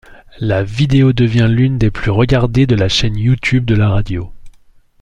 La vidéo devient l'une des plus regardées de la chaîne YouTube de la radio.